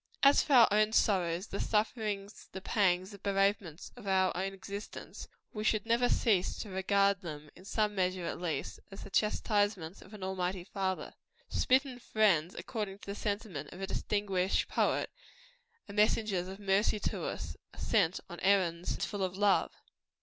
As for our own sorrows the sufferings, the pangs, the bereavements of our own existence we should never cease to regard them, in some measure, at least, as the chastisements of an Almighty Father. Smitten friends, according to the sentiment of a distinguished poet, are messengers of mercy to us are sent on errands full of love.